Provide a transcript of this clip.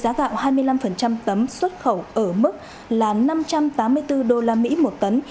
giảm mạnh hiện giá gạo hai mươi năm tấm xuất khẩu ở mức là năm trăm tám mươi bốn đô la mỹ một tấn